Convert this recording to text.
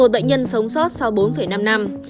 một bệnh nhân sống sót sau bốn năm năm